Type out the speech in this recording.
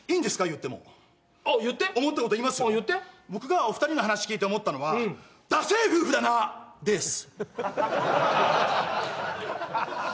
言ってもああ言って思ったこと言いますよああ言って僕がお二人の話聞いて思ったのはうんダセエ夫婦だな！ですは？